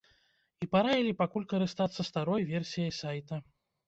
І параілі пакуль карыстацца старой версіяй сайта.